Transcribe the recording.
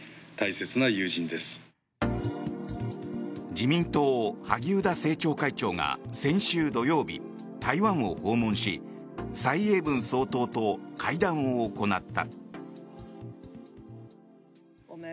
自民党、萩生田政調会長が先週土曜日台湾を訪問し蔡英文総統と会談を行った。